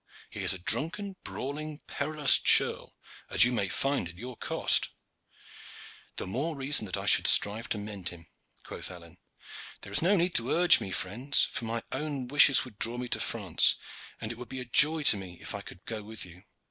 He is a drunken, brawling, perilous churl, as you may find to your cost." "The more reason that I should strive to mend him," quoth Alleyne. "There is no need to urge me, friends, for my own wishes would draw me to France, and it would be a joy to me if I could go with you.